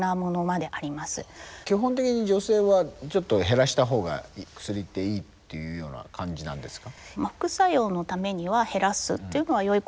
基本的に女性はちょっと減らした方が薬っていいっていうような感じなんですか？